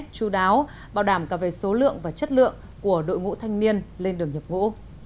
chú đáo bảo đảm cả về số lượng và chất lượng của đội ngũ thanh niên lên đường nhập ngũ